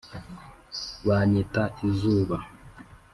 banyita izuba.